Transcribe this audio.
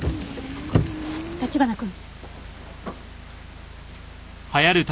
立花君。